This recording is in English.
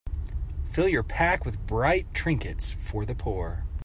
Fill your pack with bright trinkets for the poor.